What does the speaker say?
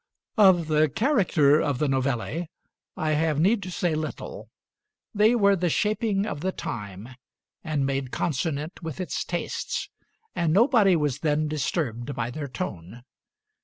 Of the character of the Novelle I have need to say little: they were the shaping of the time, and made consonant with its tastes, and nobody was then disturbed by their tone.